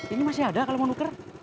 ini masih ada kalau mau nuker